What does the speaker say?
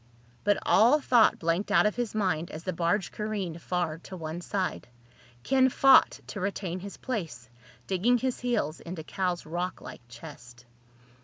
But all thought blanked out of his mind as the barge careened far to one side. Ken fought to retain his place, digging his heels into Cal's rocklike chest.